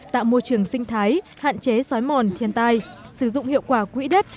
tạo môi trường sinh thái hạn chế xói mòn thiên tai sử dụng hiệu quả quỹ đất